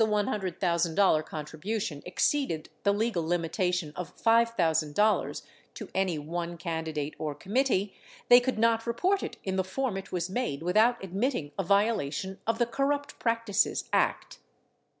$100, 000 contribution exceeded the legal limitation of $5,000 to any one candidate or committee, they could not report it in the form it was made without admitting a violation of the Corrupt Practices Act.